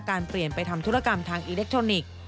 เปลี่ยนไปทำธุรกรรมทางอิเล็กทรอนิกส์